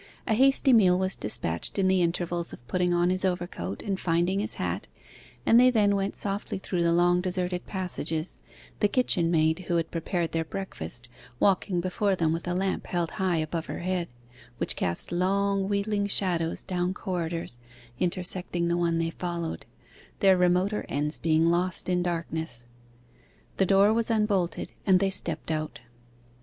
A hasty meal was despatched in the intervals of putting on his overcoat and finding his hat, and they then went softly through the long deserted passages, the kitchen maid who had prepared their breakfast walking before them with a lamp held high above her head, which cast long wheeling shadows down corridors intersecting the one they followed, their remoter ends being lost in darkness. The door was unbolted and they stepped out.